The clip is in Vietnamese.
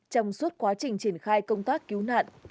trong suốt quá trình triển khai công tác cứu nạn